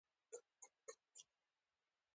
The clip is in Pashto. داخلي اصلاحاتو ته سر ټیټ نه کړ.